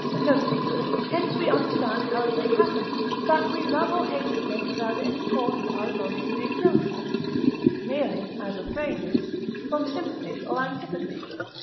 Note. Hence we understand how it may happen, that we love or hate a thing without any cause for our emotion being known to us; merely, as a phrase is, from sympathy or antipathy.